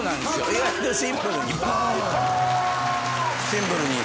シンプルに。